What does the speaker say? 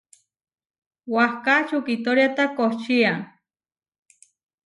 Wahká čukitóriata kohčía.